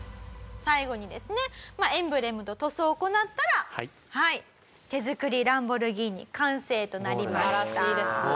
最後にですねエンブレムと塗装を行ったらはい手作りランボルギーニ完成となりました。